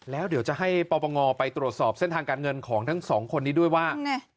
แล้วเดี๋ยวจะให้ปปงไปตรวจสอบเส้นทางการเงินของทั้งสองคนนี้ด้วยว่า